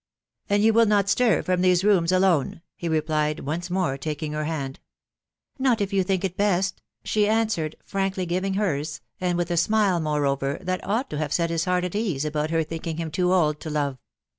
"" And you will not stir from these rooms alone ?" he re plied, once more taking her hand. ." Not if you think it best," 'she answered, franker giving hers, and with a smile, moreover, that ought to have set his heart at ease about her thinking him too old to love.